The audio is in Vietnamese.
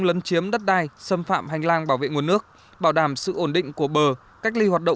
lân trị tổng thể và tổng thể của các nhà thầu